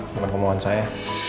bukan kemauan saya